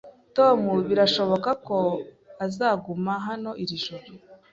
Tom birashoboka ko azaguma hano iri joro